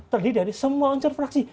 terdiri dari semua unsur fraksi